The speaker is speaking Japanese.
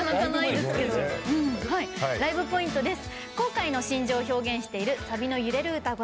ライブポイントです。